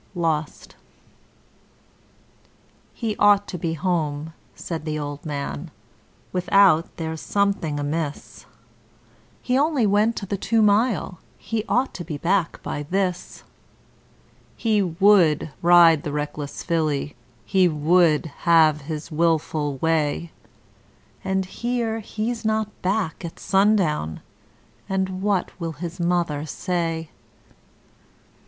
Lost 'He ought to be home,' said the old man, 'without there's something amiss. He only went to the Two mile he ought to be back by this. He WOULD ride the Reckless filly, he WOULD have his wilful way; And, here, he's not back at sundown and what will his mother say?